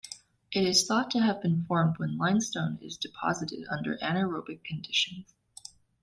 It is thought to have been formed when limestone is deposited under anaerobic conditions.